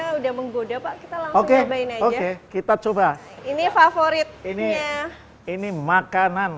sudah menggoda pak kita langsung cobain aja oke oke kita coba ini favorit ini ini makanan